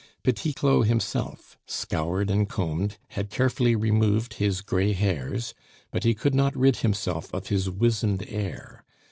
Petit Claud himself, scoured and combed, had carefully removed his gray hairs, but he could not rid himself of his wizened air.